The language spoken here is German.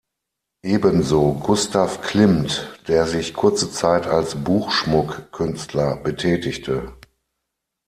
Ebenso Gustav Klimt, der sich kurze Zeit als Buchschmuck-Künstler betätigte.